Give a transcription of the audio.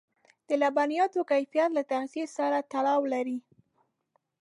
د لبنیاتو کیفیت له تغذيې سره تړاو لري.